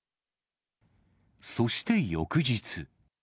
そして翌日。